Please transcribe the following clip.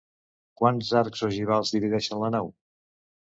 Quants arcs ogivals divideixen la nau?